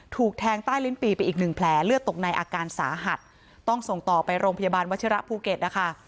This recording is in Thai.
ถูกแทงใต้ลิ้นปีไปอีกหนึ่งแผลเลือดตกในอาการสาหัสต้องส่งต่อไปโรงพยาบาลวัชิระภูเก็ตนะคะ